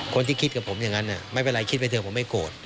คิดกับผมอย่างนั้นไม่เป็นไรคิดไปเถอะผมไม่โกรธ